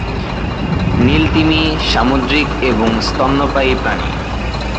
নীল তিমি সামুদ্রিক এবং স্তন্যপায়ী প্রাণী।